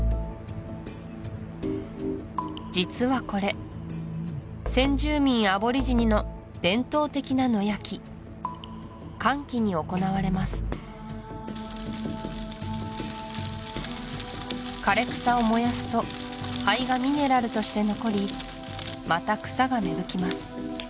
実はこれ先住民アボリジニの伝統的な野焼き乾季に行われます枯れ草を燃やすと灰がミネラルとして残りまた草が芽吹きます